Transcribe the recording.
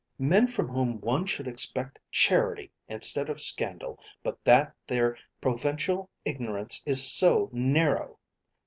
"Men from whom one should expect charity instead of scandal, but that their provincial ignorance is so narrow!"